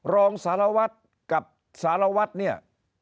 รองสารวัตรกับสารวัตรเนี่ย